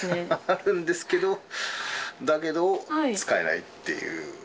あるんですけど、だけど、使えないっていう。